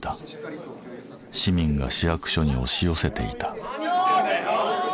市民が市役所に押し寄せていた。